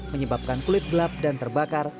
menyebabkan kulit gelap dan terbakar